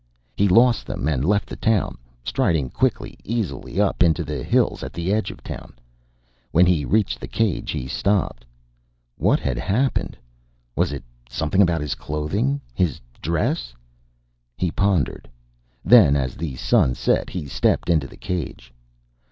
He lost them and left the town, striding quickly, easily, up into the hills at the edge of town. When he reached the cage he stopped. What had happened? Was it something about his clothing? His dress? He pondered. Then, as the sun set, he stepped into the cage.